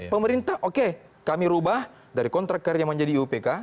pemerintah oke kami ubah dari kontrak karir yang menjadi iupk